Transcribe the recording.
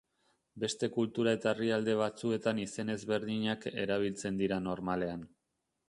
Beste kultura eta herrialde batzuetan izen ezberdinak erabiltzen dira normalean.